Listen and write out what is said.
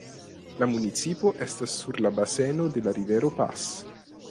La municipo estas sur la baseno de la rivero Pas.